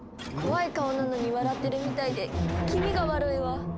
怖い顔なのに笑ってるみたいで気味が悪いわ。